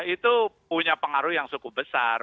itu punya pengaruh yang cukup besar